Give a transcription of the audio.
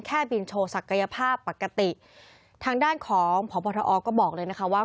บินโชว์ศักยภาพปกติทางด้านของพบทอก็บอกเลยนะคะว่า